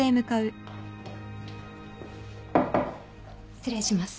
失礼します。